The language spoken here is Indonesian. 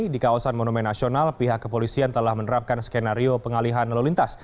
di kawasan monumen nasional pihak kepolisian telah menerapkan skenario pengalihan lalu lintas